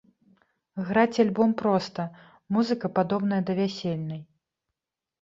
Граць альбом проста, музыка падобная да вясельнай.